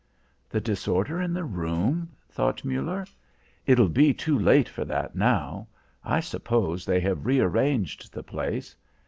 "The disorder in the room?" thought Muller. "It'll be too late for that now. I suppose they have rearranged the place.